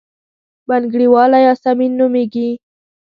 بنګړیواله یاسمین نومېږي.